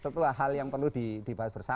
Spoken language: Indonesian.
tentu hal yang perlu dibahas bersama